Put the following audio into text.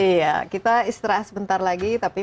iya kita istirahat sebentar lagi tapi